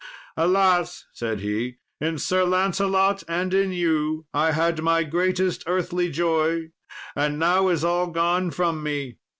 "Alas!" said he; "in Sir Lancelot and in you I had my greatest earthly joy, and now is all gone from me."